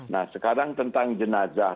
nah sekarang tentang jenazah